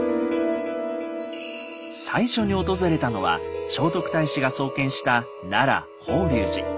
最初に訪れたのは聖徳太子が創建した奈良法隆寺。